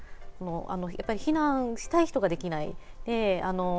避難したい人ができない。